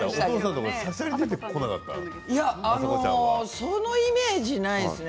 そういうイメージないですね。